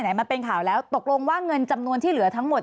มันเป็นข่าวแล้วตกลงว่าเงินจำนวนที่เหลือทั้งหมด